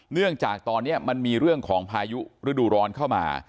เนื่องจากตอนนี้มันมีเรื่องของพายุฤดูร้อนเข้ามา